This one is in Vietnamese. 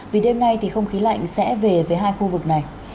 vì đêm nay thì không khí lạnh sẽ về với hai khu vực này